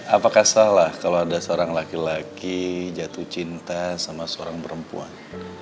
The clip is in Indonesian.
apakah salah kalau ada seorang laki laki jatuh cinta sama seorang perempuan